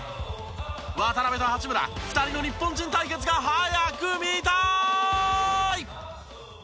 渡邊と八村２人の日本人対決が早く見たーい！